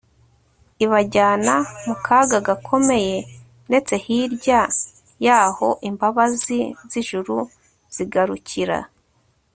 ibajyana mu kaga gakomeye ndetse hirya yaho imbabazi zIjuru zigarukira